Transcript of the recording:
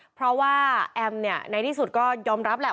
เพราะว่าแอมเนี่ยในที่สุดก็ยอมรับแหละ